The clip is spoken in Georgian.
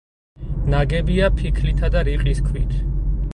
ნაგებია ფიქლითა და რიყის ქვით.